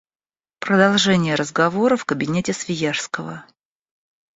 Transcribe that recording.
Продолжение разговора в кабинете Свияжского.